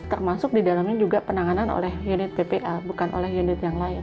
termasuk di dalamnya juga penanganan oleh unit ppa bukan oleh unit yang lain